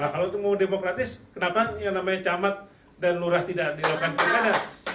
kalau itu mau demokratis kenapa yang namanya camat dan lurah tidak dilakukan perdana